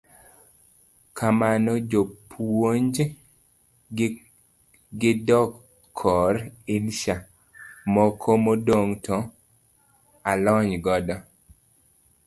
Kamano japuonj, kidok kor insha, moko modong' to alony godo.